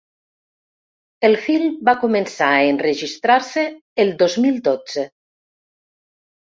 El film va començar a enregistrar-se el dos mil dotze.